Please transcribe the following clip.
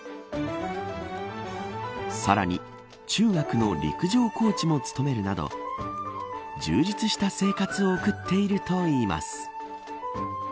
さらに、中学の陸上コーチも務めるなど充実した生活を送っているといいます。